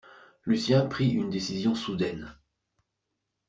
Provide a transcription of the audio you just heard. Lucien prit une décision soudaine.